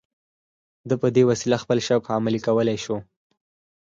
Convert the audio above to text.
ده په دې وسیله خپل شوق عملي کولای شو